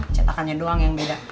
cetakannya doang yang beda